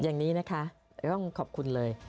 อย่างนี้นะคะต้องขอบคุณเลย